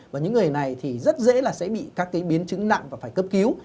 và những người này thì rất dễ là sẽ bị các cái biến chứng nặng và phải cấp cứu